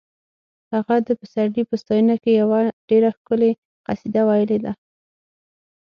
هغه د پسرلي په ستاینه کې یوه ډېره ښکلې قصیده ویلې ده